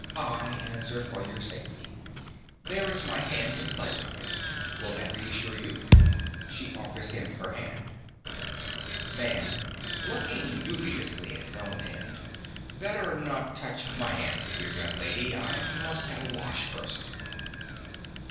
I answer for your safety. There is my hand in pledge of it. Will that reassure you? (She offers him her hand.) MAN. (looking dubiously at his own hand). Better not touch my hand, dear young lady. I must have a wash first.